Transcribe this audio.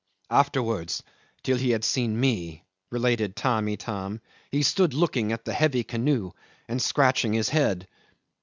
"Afterwards, till he had seen me," related Tamb' Itam, "he stood looking at the heavy canoe and scratching his head."